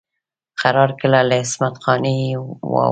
قرار ګله له عصمت قانع یې واوره.